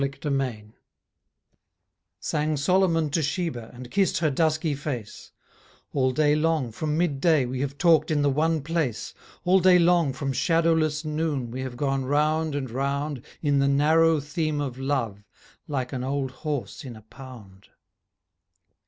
SOLOMON TO SHEBA Sang Solomon to Sheba, And kissed her dusky face, 'All day long from mid day We have talked in the one place, All day long from shadowless noon We have gone round and round In the narrow theme of love Like an old horse in a pound.'